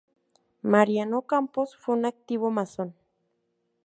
Mariano Campos fue un activo masón.